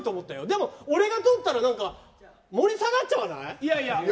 でも、俺がとったら盛り下がっちゃわない？